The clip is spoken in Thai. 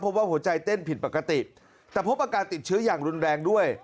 เพราะว่าหัวใจเต้นผิดปกติแต่พบอาการติดเชื้ออย่างรุนแรงด้วย